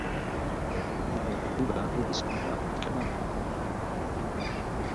Iḍeyyeṛ Yuba adlis-nni ɣef ukanapi.